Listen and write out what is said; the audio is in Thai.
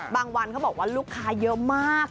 วันเขาบอกว่าลูกค้าเยอะมาก